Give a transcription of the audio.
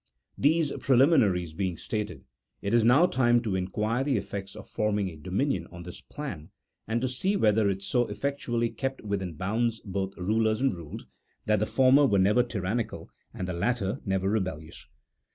These preliminaries being stated, it is now time to in quire the effects of forming a dominion on this plan, and to see whether it so effectually kept within bounds both rulers and ruled, that the former were never tyrannical and the latter never rebellious.